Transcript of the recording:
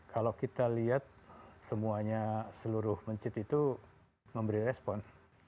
kalau kita lihat semuanya seluruh mencit itu memberi respon